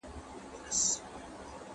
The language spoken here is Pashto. ¬ له بېکاره، خداى بېزاره.